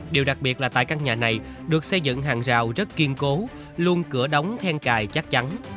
điều đặc biệt là tại căn nhà này được xây dựng hàng rào rất kiên cố luôn cửa đóng then cài chắc chắn